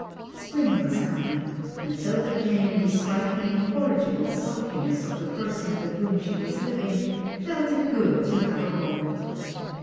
Spring was coming, and 'Tilda Jane, despite the incorrigible sulkiness of the person with whom she was living, felt it good to have a home.